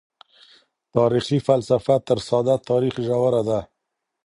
تاريخي فلسفه تر ساده تاريخ ژوره ده.